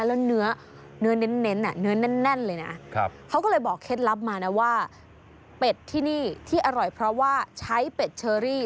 แล้วเนื้อเน้นเนื้อแน่นเลยนะเขาก็เลยบอกเคล็ดลับมานะว่าเป็ดที่นี่ที่อร่อยเพราะว่าใช้เป็ดเชอรี่